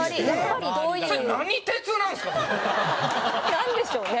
なんでしょうね？